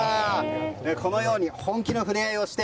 このように本気の触れ合いをして。